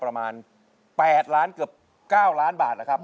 ประมาณ๘ล้านเกือบ๙ล้านบาทนะครับ